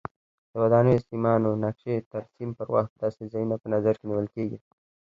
د ودانیو سیمانو نقشې ترسیم پر وخت داسې ځایونه په نظر کې نیول کېږي.